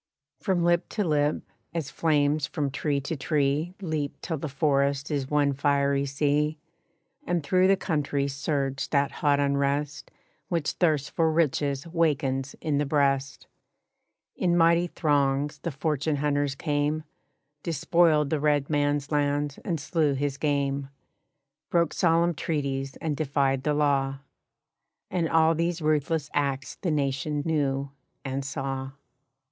From lip to lip, as flames from tree to tree Leap till the forest is one fiery sea, And through the country surged that hot unrest Which thirst for riches wakens in the breast. In mighty throngs the fortune hunters came, Despoiled the red man's lands and slew his game, Broke solemn treaties and defied the law. And all these ruthless acts the Nation knew and saw.